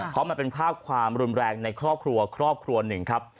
เพราะมันเป็นภาพความรุนแรงในครอบครัวครอบครัวหนึ่งครับ